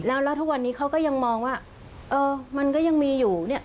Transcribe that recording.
แล้วทุกวันนี้เขาก็ยังมองว่าเออมันก็ยังมีอยู่เนี่ย